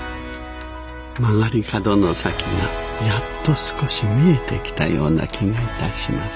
曲がり角の先がやっと少し見えてきたような気が致します。